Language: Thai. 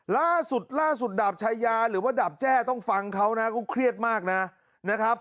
ล่าสุดล่าสุดดาบชายาหรือว่าดาบแจ้ต้องฟังเขานะเขาเครียดมากนะครับ